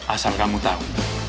asal kamu tau